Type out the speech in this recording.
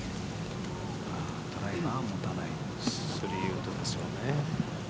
ドライバーは打たない３ウッドですよね。